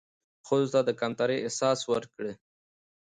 ښځو ته د کمترۍ احساس ورکړى